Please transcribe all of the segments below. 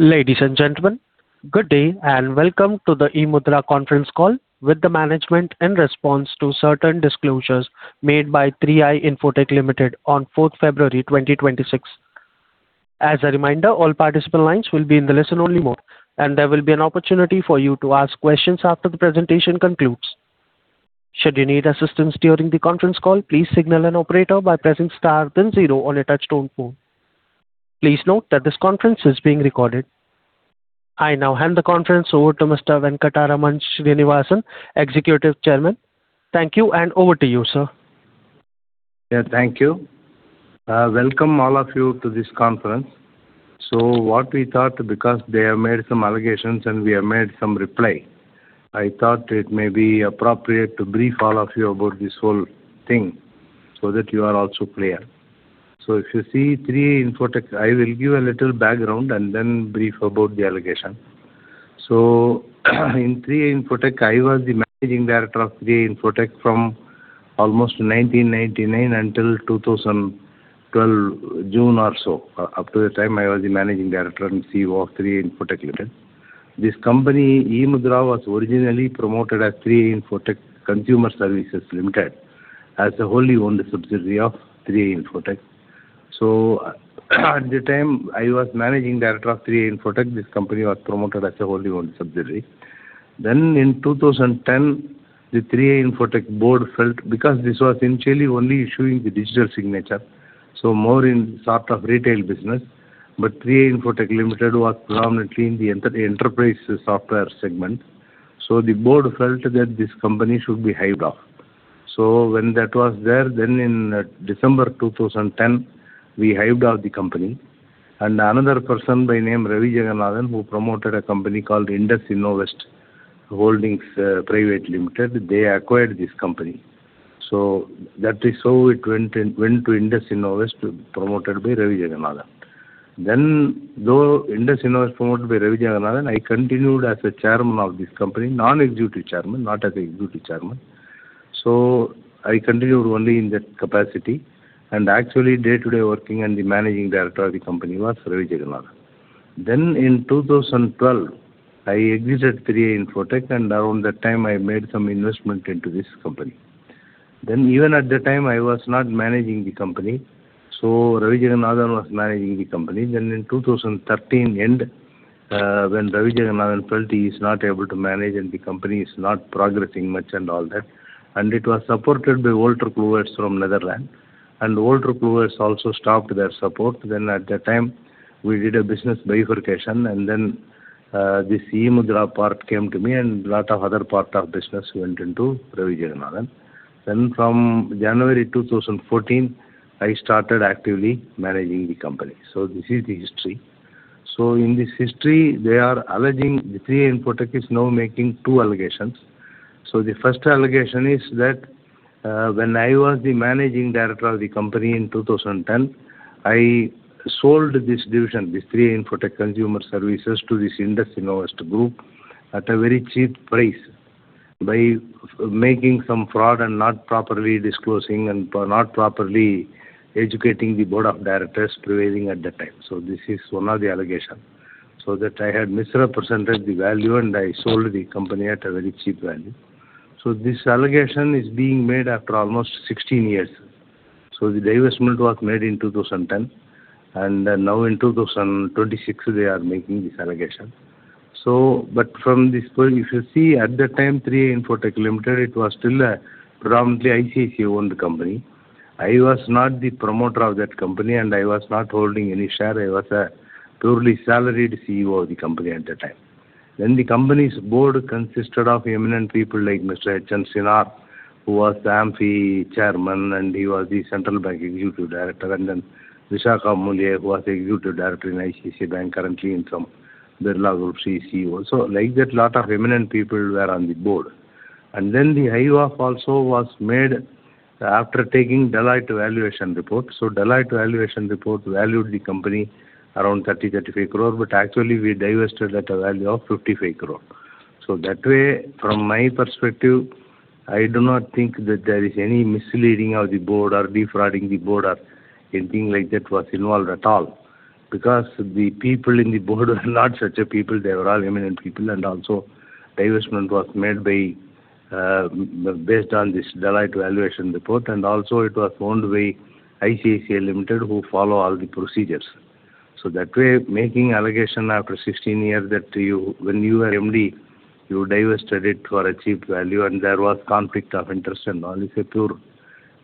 Ladies and gentlemen, good day and welcome to the eMudhra Conference Call with the management in response to certain disclosures made by 3i Infotech Limited on February 4 2026. As a reminder, all participant lines will be in the listen-only mode, and there will be an opportunity for you to ask questions after the presentation concludes. Should you need assistance during the conference call, please signal an operator by pressing star then zero on a touch-tone phone. Please note that this conference is being recorded. I now hand the conference over to Mr. Venkatraman Srinivasan, Executive Chairman. Thank you, and over to you, sir. Yeah, thank you. Welcome all of you to this conference. So what we thought, because they have made some allegations and we have made some reply, I thought it may be appropriate to brief all of you about this whole thing so that you are also clear. So if you see 3i Infotech, I will give a little background and then brief about the allegation. So in 3i Infotech, I was the managing director of 3i Infotech from almost 1999 until 2012, June or so. Up to that time, I was the managing director and CEO of 3i Infotech Limited. This company, eMudhra, was originally promoted as 3i Infotech Consumer Services Limited as a wholly owned subsidiary of 3i Infotech. So at the time I was managing director of 3i Infotech, this company was promoted as a wholly owned subsidiary. Then in 2010, the 3i Infotech board felt, because this was initially only issuing the digital signature, so more in sort of retail business, but 3i Infotech Limited was predominantly in the enterprise software segment. So the board felt that this company should be hived off. So when that was there, then in December 2010, we hived off the company. And another person by name Ravi Jagannathan, who promoted a company called Indus Innovest Holdings Private Limited, they acquired this company. So that is how it went to Indus Innovest, promoted by Ravi Jagannathan. Then though Indus Innovest promoted by Ravi Jagannathan, I continued as a chairman of this company, non-executive chairman, not as an executive chairman. So I continued only in that capacity. And actually, day-to-day working and the managing director of the company was Ravi Jagannathan. Then in 2012, I exited 3i Infotech, and around that time I made some investment into this company. Then even at that time, I was not managing the company. So Ravi Jagannathan was managing the company. Then in 2013 end, when Ravi Jagannathan felt he is not able to manage and the company is not progressing much and all that, and it was supported by Wolters Kluwer from Netherlands. And Wolters Kluwer also stopped their support. Then at that time, we did a business bifurcation, and then this eMudhra part came to me and a lot of other part of business went into Ravi Jagannathan. Then from January 2014, I started actively managing the company. So this is the history. So in this history, they are alleging. The 3i Infotech is now making two allegations. So the first allegation is that when I was the Managing Director of the company in 2010, I sold this division, this 3i Infotech Consumer Services, to this Indus Innovest group at a very cheap price by making some fraud and not properly disclosing and not properly educating the board of directors prevailing at that time. So this is one of the allegations. So that I had misrepresented the value and I sold the company at a very cheap value. So this allegation is being made after almost 16 years. So the divestment was made in 2010, and now in 2026, they are making this allegation. So but from this point, if you see at that time 3i Infotech Limited, it was still a predominantly ICICI-owned company. I was not the promoter of that company and I was not holding any share. I was a purely salaried CEO of the company at that time. Then the company's board consisted of eminent people like Mr. H.N. Sinor, who was the AMFI Chairman, and he was the Central Bank of India Executive Director, and then Vishakha Mulye, who was the Executive Director in ICICI Bank currently in some Aditya Birla Group CEO. So like that, a lot of eminent people were on the board. And then the hive off also was made after taking Deloitte valuation report. So Deloitte valuation report valued the company around 30 crore-35 crore, but actually we divested at a value of 55 crore. So that way, from my perspective, I do not think that there is any misleading of the board or defrauding the board or anything like that was involved at all. Because the people in the board were not such a people. They were all eminent people. Also, divestment was made based on this Deloitte valuation report. Also, it was owned by ICICI Limited, who followed all the procedures. So that way, making allegation after 16 years that you, when you were MD, you divested it for a cheap value, and there was conflict of interest and all. It's a pure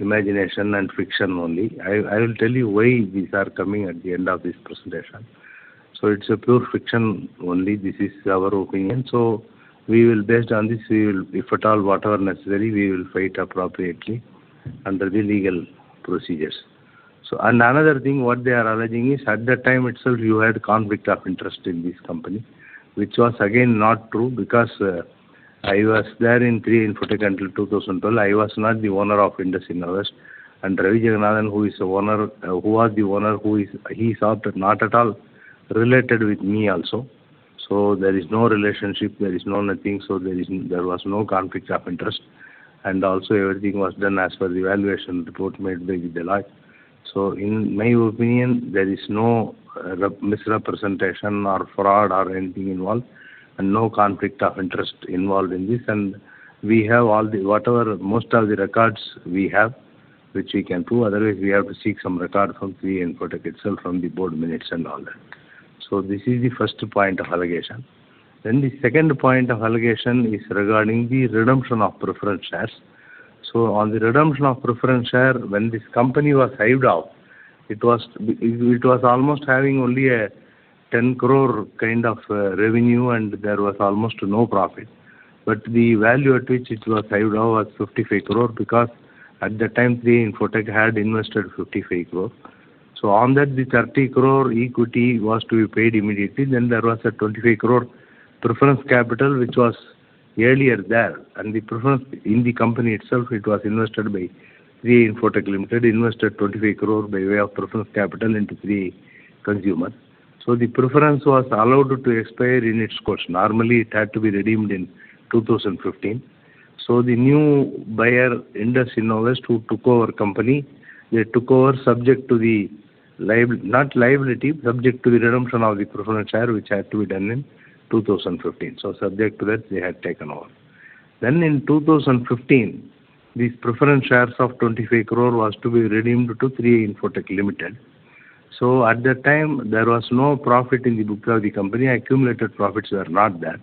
imagination and fiction only. I will tell you why these are coming at the end of this presentation. So it's a pure fiction only. This is our opinion. So we will based on this, we will if at all, whatever necessary, we will fight appropriately under the legal procedures. And another thing, what they are alleging is at that time itself, you had conflict of interest in this company, which was again not true. Because I was there in 3i Infotech until 2012, I was not the owner of Indus Innovest. Ravi Jagannathan, who is an owner who was the owner, he is not at all related with me also. So there is no relationship. There is no nothing. So there was no conflict of interest. And also everything was done as per the valuation report made by Deloitte. So in my opinion, there is no misrepresentation or fraud or anything involved and no conflict of interest involved in this. And we have all the whatever most of the records we have, which we can prove. Otherwise, we have to seek some record from 3i Infotech itself, from the board minutes and all that. So this is the first point of allegation. Then the second point of allegation is regarding the redemption of preferred shares. So on the redemption of preferred share, when this company was hived off, it was almost having only a 10 crore kind of revenue and there was almost no profit. But the value at which it was hived off was 55 crore because at that time 3i Infotech had invested 55 crore. So on that, the 30 crore equity was to be paid immediately. Then there was a 25 crore preference capital, which was earlier there. And the preference in the company itself, it was invested by 3i Infotech Limited, invested 25 crore by way of preference capital into 3i Consumer. So the preference was allowed to expire in its course. Normally, it had to be redeemed in 2015. So the new buyer, Indus Innovest, who took over company, they took over subject to the liability not liability, subject to the redemption of the preference shares, which had to be done in 2015. So subject to that, they had taken over. Then in 2015, these preference shares of 25 crore was to be redeemed to 3i Infotech Limited. So at that time, there was no profit in the book of the company. Accumulated profits were not there.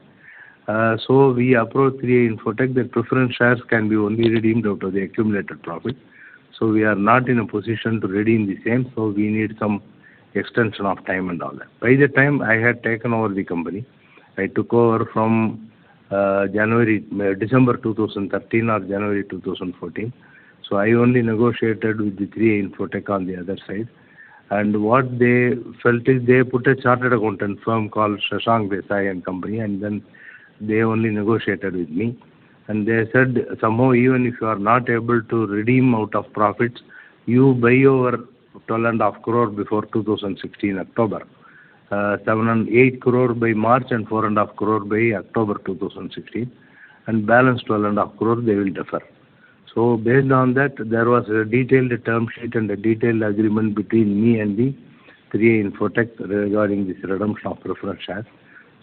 So we approached 3i Infotech that preference shares can be only redeemed out of the accumulated profit. So we are not in a position to redeem the same. So we need some extension of time and all that. By the time I had taken over the company, I took over from January December 2013 or January 2014. So I only negotiated with the 3i Infotech on the other side. What they felt is they put a chartered accountant firm called Shashank Desai & Company, and then they only negotiated with me. They said, "Somehow, even if you are not able to redeem out of profits, you buy over 12.5 crore before October 2016, 7.8 crore by March and 4.5 crore by October 2016, and balance 12.5 crore, they will defer." Based on that, there was a detailed term sheet and a detailed agreement between me and the 3i Infotech regarding this redemption of preferred shares.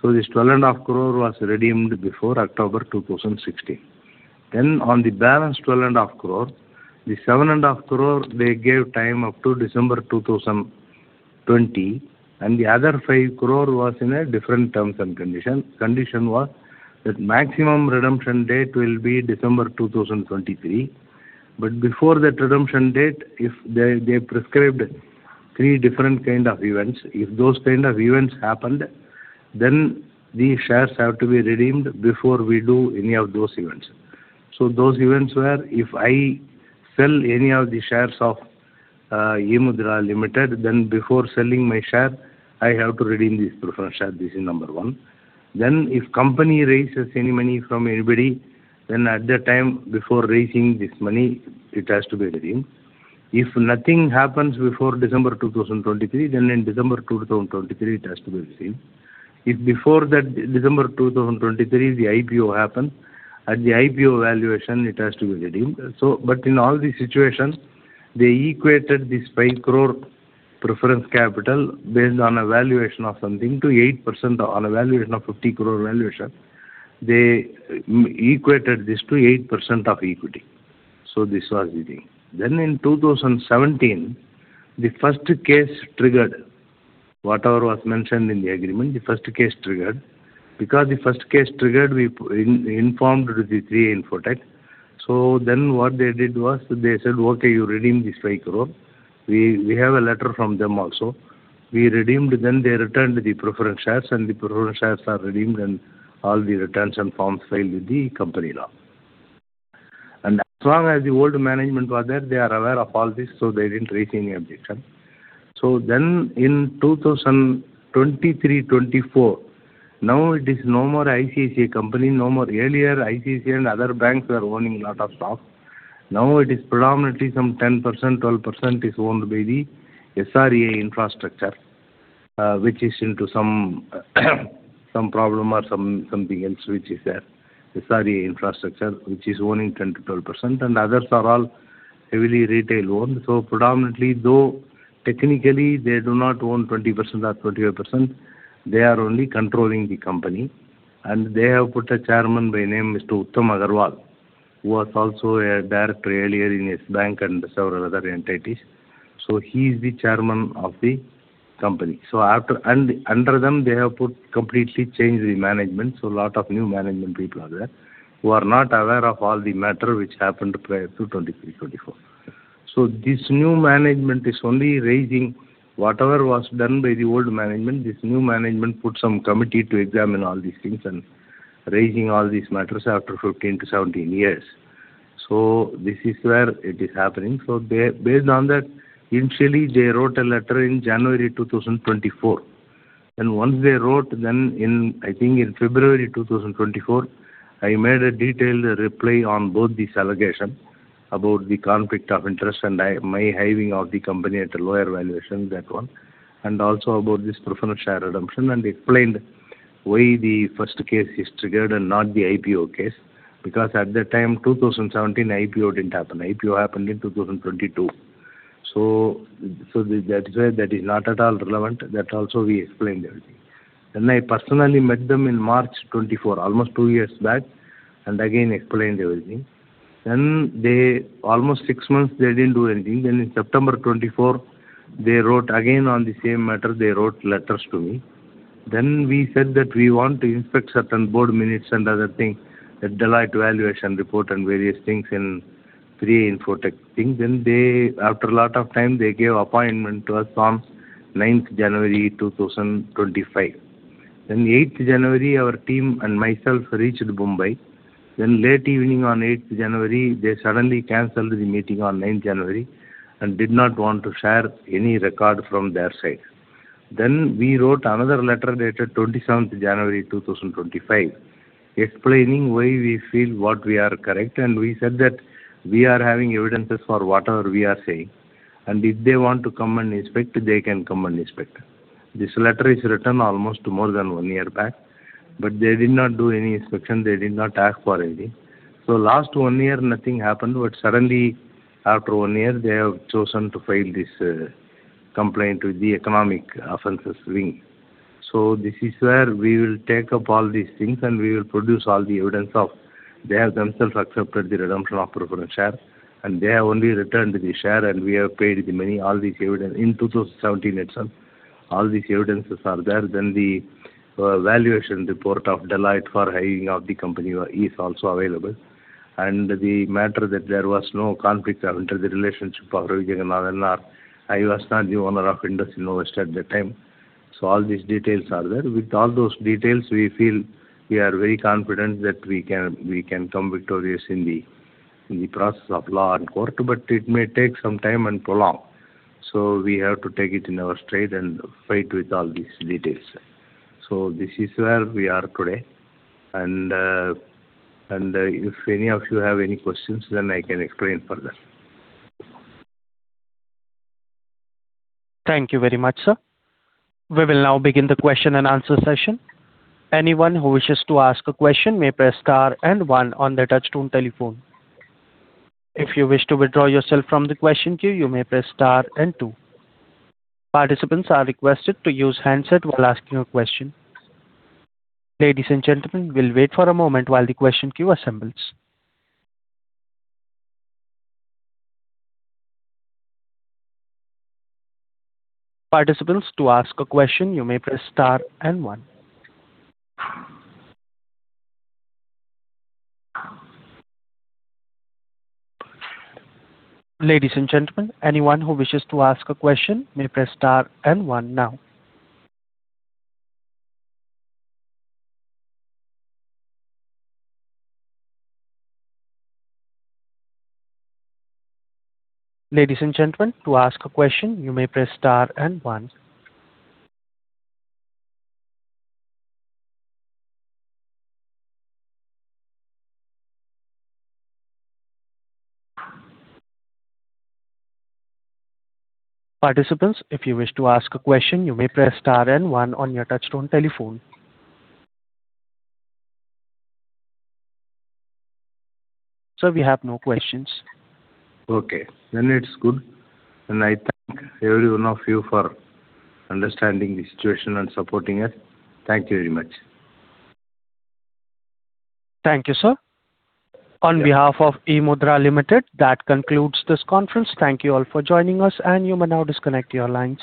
This 12.5 crore was redeemed before October 2016. On the balance 12.5 crore, the 7.5 crore, they gave time up to December 2020. The other 5 crore was in a different terms and condition. Condition was that maximum redemption date will be December 2023. But before that redemption date, if they prescribed three different kind of events, if those kind of events happened, then these shares have to be redeemed before we do any of those events. So those events were, if I sell any of the shares of eMudhra Limited, then before selling my share, I have to redeem these preferred shares. This is number one. Then if company raises any money from anybody, then at that time, before raising this money, it has to be redeemed. If nothing happens before December 2023, then in December 2023, it has to be redeemed. If before that December 2023, the IPO happens, at the IPO valuation, it has to be redeemed. So but in all these situations, they equated this 5 crore preference capital based on a valuation of something to 8% on a valuation of 50 crore valuation. They equated this to 8% of equity. So this was the thing. Then in 2017, the first case triggered whatever was mentioned in the agreement, the first case triggered. Because the first case triggered, we informed the 3i Infotech. So then what they did was they said, "Okay, you redeem this INR 5 crore. We have a letter from them also." We redeemed, then they returned the preference shares and the preference shares are redeemed and all the returns and forms filed with the company law. And as long as the old management was there, they are aware of all this, so they didn't raise any objection. So then in 2023, 2024, now it is no more ICICI company, no more. Earlier, ICICI and other banks were owning a lot of stocks. Now it is predominantly some 10%, 12% is owned by the Srei Infrastructure, which is into some problem or some something else, which is there. Srei Infrastructure, which is owning 10%-12%. And others are all heavily retail-owned. So predominantly, though technically they do not own 20% or 25%, they are only controlling the company. And they have put a chairman by name Mr. Uttam Agarwal, who was also a director earlier in his bank and several other entities. So he is the chairman of the company. So after and under them, they have put completely changed the management. So a lot of new management people are there, who are not aware of all the matter which happened prior to 2023, 2024. So this new management is only raising whatever was done by the old management. This new management put some committee to examine all these things and raising all these matters after 15-17 years. So this is where it is happening. So based on that, initially they wrote a letter in January 2024. Then once they wrote, then in I think in February 2024, I made a detailed reply on both these allegations about the conflict of interest and my hiving of the company at a lower valuation, that one. And also about this preference share redemption and explained why the first case is triggered and not the IPO case. Because at that time, 2017 IPO didn't happen. IPO happened in 2022. So so that is why that is not at all relevant. That also we explained everything. Then I personally met them in March 2024, almost two years back, and again explained everything. Then they almost 6 months, they didn't do anything. Then in September 2024, they wrote again on the same matter, they wrote letters to me. Then we said that we want to inspect certain board minutes and other things, that Deloitte valuation report and various things in 3i Infotech thing. Then they after a lot of time, they gave appointment to us on January 9th 2025. Then January, 8th our team and myself reached Mumbai. Then late evening on January 8th, they suddenly cancelled the meeting on January 9th and did not want to share any record from their side. Then we wrote another letter dated January 27th 2025, explaining why we feel what we are correct. And we said that we are having evidences for whatever we are saying. If they want to come and inspect, they can come and inspect. This letter is written almost more than 1 year back, but they did not do any inspection. They did not ask for anything. So last one year, nothing happened. But suddenly after one year, they have chosen to file this complaint with the Economic Offences Wing. So this is where we will take up all these things and we will produce all the evidence of they have themselves accepted the redemption of preferred share and they have only returned the share and we have paid the money. All these evidence in 2017 itself, all these evidences are there. Then the valuation report of Deloitte for hive-off of the company is also available. And the matter that there was no conflict of interest, the relationship of Ravi Jagannathan or I was not the owner of Indus Innovest at that time. So all these details are there. With all those details, we feel we are very confident that we can we can come victorious in the in the process of law and court. But it may take some time and prolong. So we have to take it in our straight and fight with all these details. So this is where we are today. And and if any of you have any questions, then I can explain for them. Thank you very much, sir. We will now begin the question and answer session. Anyone who wishes to ask a question may press star and one on the touch-tone telephone. If you wish to withdraw yourself from the question queue, you may press star and two. Participants are requested to use handset while asking a question. Ladies and gentlemen, we'll wait for a moment while the question queue assembles. Participants to ask a question, you may press star and one. Ladies and gentlemen, anyone who wishes to ask a question may press star and one now. Ladies and gentlemen, to ask a question, you may press star and one. Participants, if you wish to ask a question, you may press star and one on your touch-tone telephone. Sir, we have no questions. Okay. Then it's good. And I thank every one of you for understanding the situation and supporting it. Thank you very much. Thank you, sir. On behalf of eMudhra Limited, that concludes this conference. Thank you all for joining us. And you may now disconnect your lines.